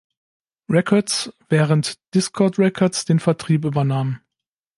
Records, während Dischord Records den Vertrieb übernahm.